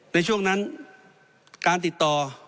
ในช่วงนั้นการติดต่อ